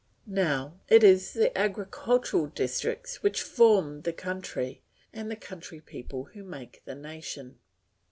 Now it is the agricultural districts which form the country, and the country people who make the nation.